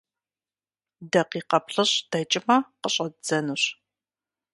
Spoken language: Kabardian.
Дакъикъэ плӀыщӀ дэкӀмэ, къыщӀэддзэнущ.